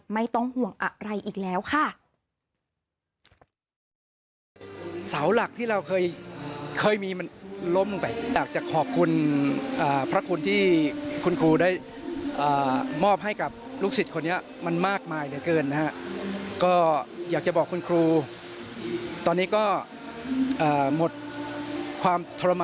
ไม่ต้องห่วงอะไรอีกแล้วค่ะ